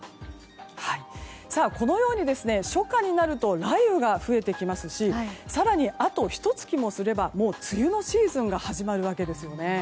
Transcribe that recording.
このように初夏になると雷雨が増えてきますし更にあと、ひと月もすれば梅雨のシーズンが始まるわけですよね。